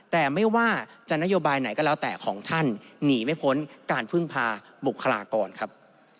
แต่ไม่ว่าจะนโยบายไหนก็แล้วแต่ของท่านหนีไม่พ้นการพึ่งพาบุคลากรครับ